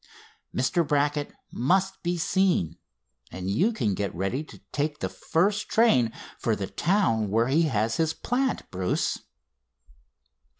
Mr. Brackett must be seen, and you can get ready to take the first train for the town where he has his plant, Bruce."